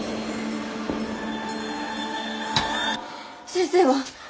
先生は？